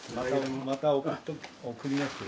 また送りますよ。